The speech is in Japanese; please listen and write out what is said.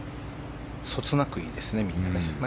そつなくいいですねみんな。